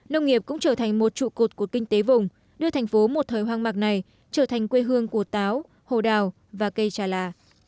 nông nghiệp cũng trở thành một trụ cột của kinh tế vùng đưa thành phố một thời hoang mạc này trở thành quê hương của táo hồ đào và cây trà lạ